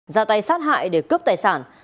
ra tay sát hại để cướp tài sản